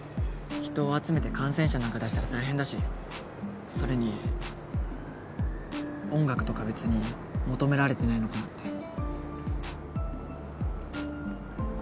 人を集めて感染者なんか出したら大変だしそれに音楽とか別に求められてないのかなって。